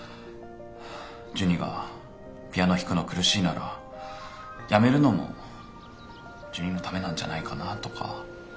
ジュニがピアノ弾くの苦しいならやめるのもジュニのためなんじゃないかなとか。